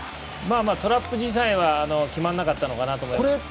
トラップ自体は決まらなかったと思いますけど。